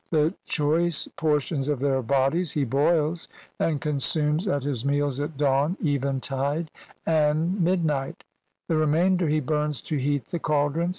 The choice portions of their bodies he boils and consumes at his meals at dawn, eventide, and midnight ; the remainder he burns to heat the cauldrons.